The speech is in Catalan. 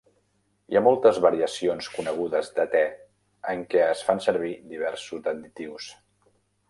Hi ha moltes variacions conegudes de te en què es fan servir diversos additius.